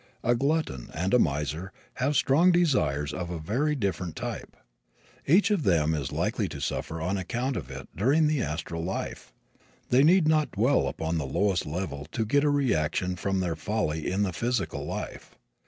A glutton and a miser have strong desires of a very different type. Each of them is likely to suffer on account of it during the astral life. They need not dwell upon the lowest level to get a reaction from their folly in the physical life.